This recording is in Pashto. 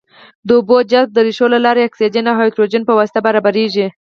د اوبو جذب د ریښو له لارې د اکسیجن او هایدروجن په واسطه برابریږي.